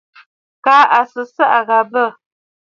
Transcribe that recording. Kaa à sɨ ɨsaʼà gha bə̂.